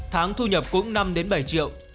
tháng thu nhập cũng năm bảy triệu